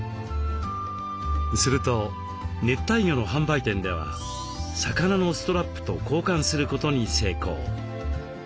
すると熱帯魚の販売店では魚のストラップと交換することに成功。